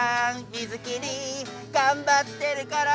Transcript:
「水切りがんばってるから」